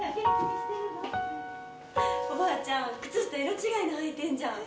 おばあちゃん、靴下色違いの履いてんじゃん！